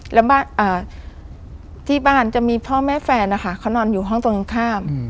แล้วบ้านที่บ้านจะมีพ่อแม่แฟนนะคะเขานอนอยู่ห้องตรงข้าม